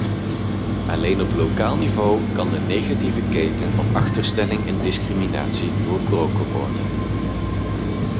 Alleen op lokaal niveau kan de negatieve keten van achterstelling en discriminatie doorbroken worden.